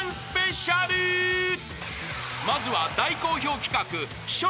［まずは大好評企画笑